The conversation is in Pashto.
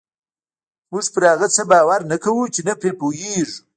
موږ پر هغه څه باور نه کوو چې نه پرې پوهېږو.